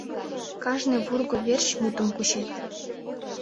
Кажне вурго верч мутым кучет...